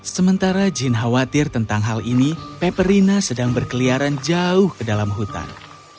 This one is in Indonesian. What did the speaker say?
sementara jin khawatir tentang hal ini peperina sedang berkeliaran jauh ke dalam hutan